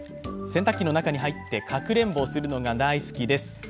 洗濯機の中に入ってかくれんぼをするのが大好きです。